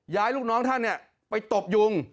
ลูกน้องท่านไปตบยุง